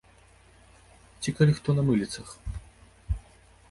Ці калі хто на мыліцах.